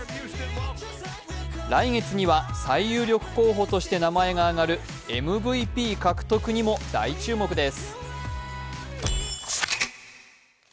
来月には最有力候補として名前が上がるＭＶＰにも大注目です。